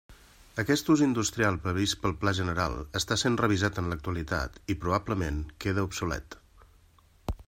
Aquest ús industrial previst pel Pla General està sent revisat en l'actualitat i, probablement, quede obsolet.